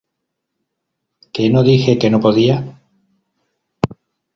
Que no dije que no podía".